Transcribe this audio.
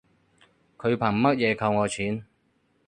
佢憑乜嘢扣我錢